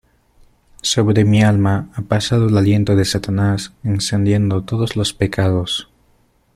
sobre mi alma ha pasado el aliento de Satanás encendiendo todos los pecados: